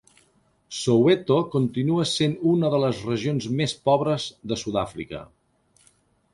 Soweto continua sent una de les regions més pobres de Sud-àfrica.